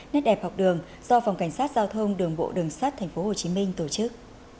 đường bộ đường sắt thành phố hồ chí minh tổ chức